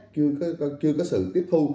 chưa có sự tiếp thu